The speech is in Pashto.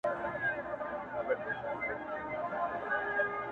له هر جامه ستانوم خولې تــــــــه راځــــــي ـ